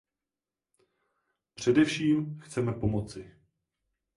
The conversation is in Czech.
Především chceme pomoci.